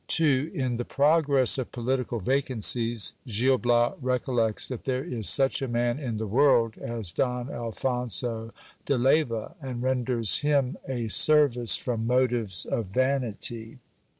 — In the progress of political vacancies, Gil Bias recollects that there is such a man in the world as Don Alphonso de Leyva ; and renders him a service from motives of vanity.